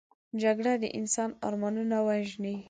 جګړه د انسان ارمانونه وژني